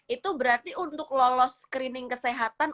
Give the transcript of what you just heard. itu berarti untuk lolos screening kesehatan